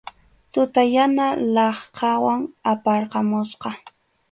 Tuta yana laqhanwan ayparqamusqa.